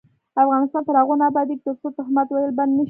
افغانستان تر هغو نه ابادیږي، ترڅو تهمت ویل بند نشي.